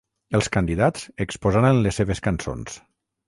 Els candidats exposaren les seves cançons.